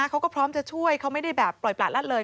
เขาก็พร้อมจะช่วยเขาไม่ได้แบบปล่อยประละเลย